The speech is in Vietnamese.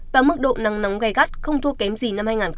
và mức độ nắng nóng gai gắt không thua kém gì năm hai nghìn hai mươi